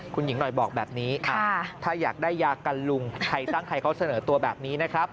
คุณหญิงหน่อยบอกแบบนี้ถ้าอยากได้ยากันลุงใครสร้างใครเขาเสนอตัวแบบนี้นะครับ